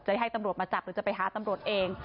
ให้ตำรวจมาจับหรือจะไปหาตำรวจเอง